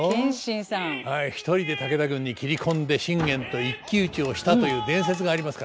はい一人で武田軍に斬り込んで信玄と一騎打ちをしたという伝説がありますからね。